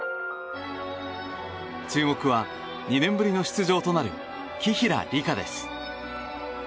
注目は、２年ぶりの出場となる紀平梨花です。